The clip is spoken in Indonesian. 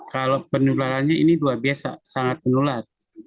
kalau penularannya ini luar biasa sangat menular